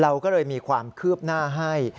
เราก็เลยมีความคืบหน้าให้